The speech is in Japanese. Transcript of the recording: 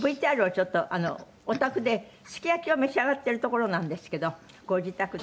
お宅ですき焼きを召し上がってるところなんですけどご自宅で。